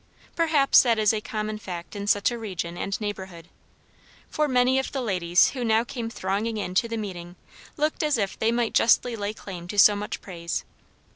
Perhaps that is a common fact in such a region and neighbourhood; for many of the ladies who now came thronging in to the meeting looked as if they might justly lay claim to so much praise.